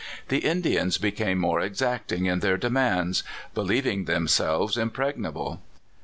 The Indians became more exacting in their demands, believing themselves impregnable.